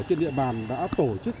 trên địa bàn đã tổ chức